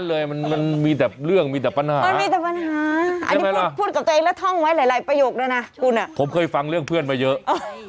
อ๋อหยอกก็แหละหยอกก็แหละ